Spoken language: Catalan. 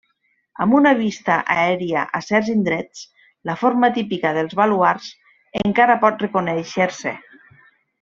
Amb una vista aèria a certs indrets la forma típica dels baluards encara pot reconèixer-se.